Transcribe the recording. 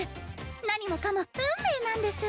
何もかも運命なんです。